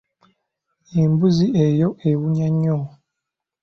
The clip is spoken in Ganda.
Embuzi eyo ewunya nnyo.